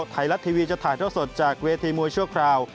ไทยรัฐทีวีจะถ่ายเท่าสดจากเวทีมวยชั่วคราว